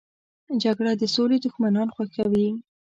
جګړه د سولې دښمنان خوښوي